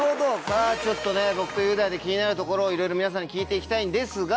さぁちょっと僕と雄大で気になるところをいろいろ皆さんに聞いて行きたいんですが。